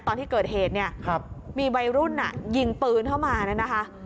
ตอนที่เกิดเหตุเนี่ยมีวัยรุ่นยิงปืนเข้ามาเนี่ยนะคะ